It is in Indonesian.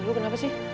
eh lo kenapa sih